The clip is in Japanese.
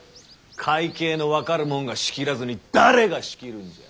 会計の分かる者が仕切らずに誰が仕切るんじゃ。